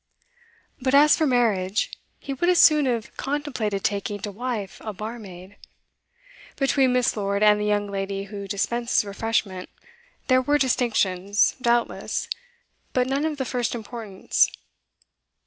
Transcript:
But as for marriage, he would as soon have contemplated taking to wife a barmaid. Between Miss. Lord and the young lady who dispenses refreshment there were distinctions, doubtless, but none of the first importance.